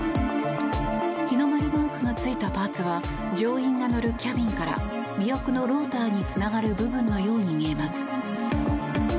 日の丸マークがついたパーツは乗員が乗るキャビンから尾翼のローターにつながる部分のように見えます。